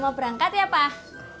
mau berangkat ya pak